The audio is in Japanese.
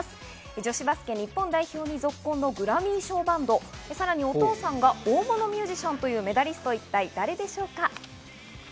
女子バスケ日本代表にぞっこんのグラミー賞バンド、さらにお父さんが大物ミュージシャンというメダリストは一体、誰でしょうか？